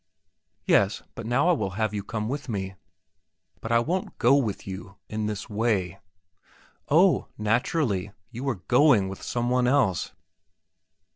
"Yes; but now I will have you come with me." "But I won't go with you in this way." "Oh, naturally; you are going with some one else."